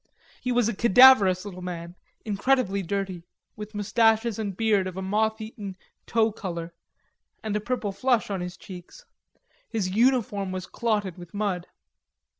He was a cadaverous little man, incredibly dirty, with mustaches and beard of a moth eaten tow color, and a purple flush on his cheeks. His uniform was clotted with mud.